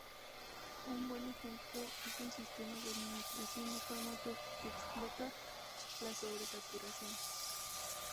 Un buen ejemplo es un sistema de administración de fármacos que explota la sobresaturación.